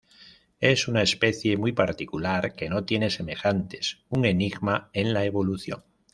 Es una especie muy particular, que no tiene semejantes, un enigma en la evolución.